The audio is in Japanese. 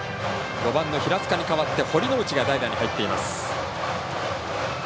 ５番、平塚に代わって堀之内が代打に入っています。